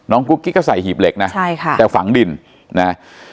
กุ๊กกิ๊กก็ใส่หีบเหล็กนะใช่ค่ะแต่ฝังดินนะ